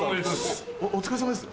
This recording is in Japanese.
お疲れさまです？